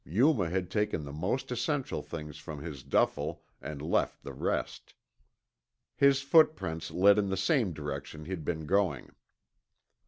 Yuma had taken the most essential things from his duffle and left the rest. His footprints led on in the same direction he'd been going.